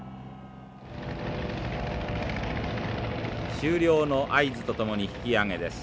終了の合図とともに引き上げです。